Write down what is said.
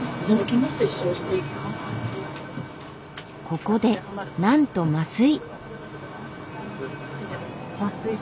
ここでなんと麻酔。